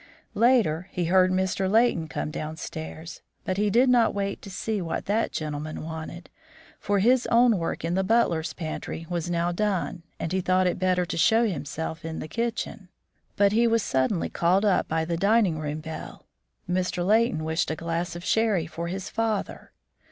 Later, he heard Mr. Leighton come downstairs, but he did not wait to see what that gentleman wanted, for his own work in the butler's pantry was now done, and he thought it better to show himself in the kitchen. But he was suddenly called up by the dining room bell. Mr. Leighton wished a glass of sherry for his father.